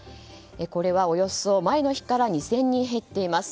これはおよそ前の日から２０００人減っています。